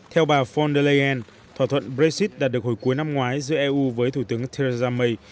theo bà phong de leyen thỏa thuận brexit đạt được hồi cuối năm ngoái giữa eu với thủ tướng theresa may